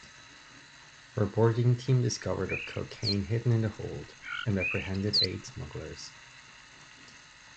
Her boarding team discovered of cocaine hidden in the hold, and apprehended eight smugglers.